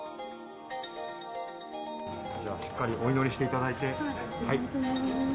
では、しっかりお祈りしていただいて。